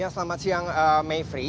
selamat siang mayfri